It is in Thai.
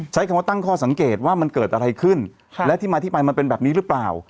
ใช้คำว่าตั้งข้อสังเกตว่ามันเกิดอะไรขึ้นและที่มาที่ไปมันเป็นแบบนี้หรือเปล่า